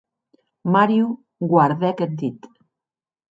Mario guardèc eth dit.